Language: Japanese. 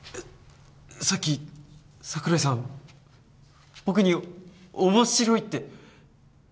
さっき桜井さん僕に「面白い」って。